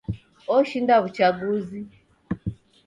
Oshinda w'uchaguzi.